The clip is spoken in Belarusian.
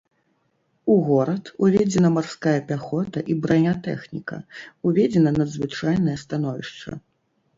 У горад уведзена марская пяхота і бранятэхніка, уведзена надзвычайнае становішча.